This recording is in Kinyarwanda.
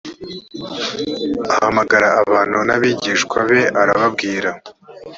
ahamagara abantu n abigishwa be arababwira